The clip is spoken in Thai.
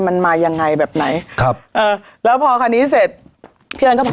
มันมายังไงแบบไหนครับเออแล้วพอคันนี้เสร็จพี่อันก็บอก